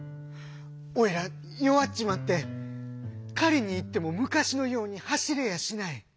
おいら弱っちまって狩りに行っても昔のように走れやしない。